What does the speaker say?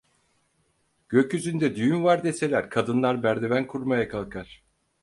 Gökyüzünde düğün var deseler, kadınlar merdiven kurmaya kalkar.